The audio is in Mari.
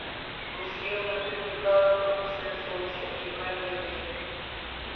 Руш йылме тӱрлӧ калыкым ушен шогышо кӱвар гай лийын.